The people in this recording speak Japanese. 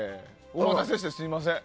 お待たせしてすみません。